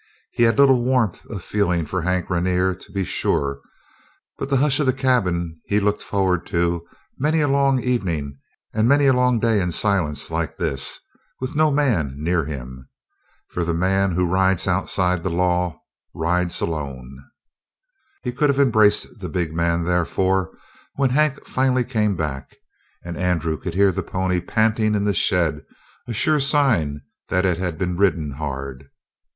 He had little warmth of feeling for Hank Rainer, to be sure, but the hush of the cabin he looked forward to many a long evening and many a long day in a silence like this, with no man near him. For the man who rides outside the law rides alone. He could have embraced the big man, therefore, when Hank finally came back, and Andrew could hear the pony panting in the shed, a sure sign that it had been ridden hard.